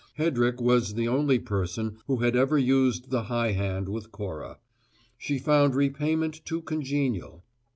Hedrick was the only person who had ever used the high hand with Cora: she found repayment too congenial.